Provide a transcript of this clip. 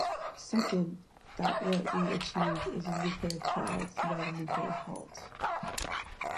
Second, that what we achieved is a nuclear pause, not a nuclear halt.